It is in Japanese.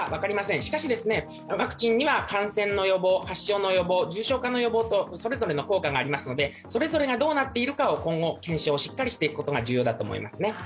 しかし、ワクチンには感染の予防、発症の予防、重症化の予防と、それぞれの効果がありますのでそれぞれがどうなっているかを今後、検証をしっかりしていくことが重要だと思いますね。